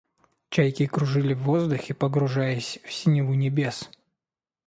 Чайки кружили в воздухе, погружаясь в синеву небес.